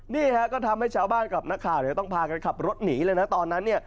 นี่ฮะก็ทำให้ชาวบ้านกับนักข่าวต้องพากันขับรถหนีเลยนะตอนนั้นเนี่ย